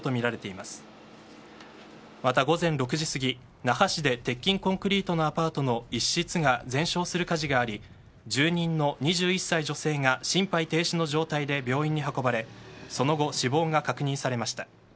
また午前６時過ぎ、那覇市で鉄筋コンクリートのアパートの一室が全焼する火事があり住人の２１歳女性が心肺停止の状態で病院に運ばれその後、死亡が確認されました。